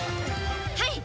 はい！